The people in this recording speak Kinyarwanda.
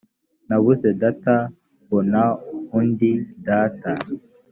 nabuze data mbona undi data.